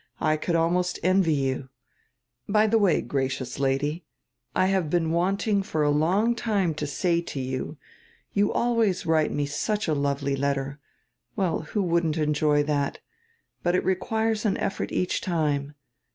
I could almost envy you — By die way, gracious Lady, I have been wanting for a long time to say to you, you always write me such a lovely letter. Well, who wouldn't enjoy diat? But it requires an effort each time.